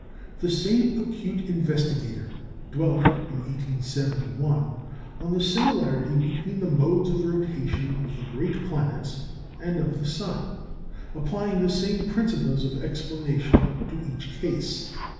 The same acute investigator dwelt, in 1871, on the similarity between the modes of rotation of the great planets and of the sun, applying the same principles of explanation to each case.